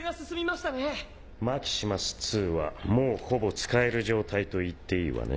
淵妊紂璽法マキシマスはもうほぼ使える状態と言っていいわね。